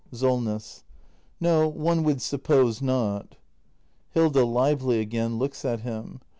Solness. No, one would suppose not. Hilda. [Lively again, looks at him.